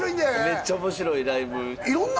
めっちゃ面白いライブ色んな